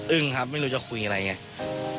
อึ้งครับไม่รู้จะคุยอะไรอย่างงี้